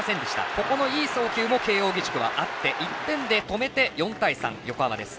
ここの、いい送球も慶応義塾はあって１点で止めて、４対３、横浜です。